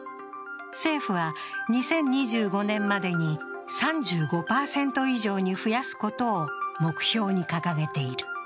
政府は２０２５年までに３５％以上に増やすことを目標に掲げている。